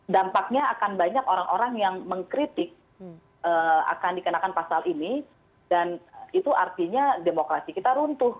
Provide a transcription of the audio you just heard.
dampaknya akan banyak orang orang yang mengkritik akan dikenakan pasal ini dan itu artinya demokrasi kita runtuh